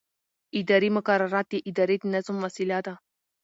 اداري مقررات د ادارې د نظم وسیله ده.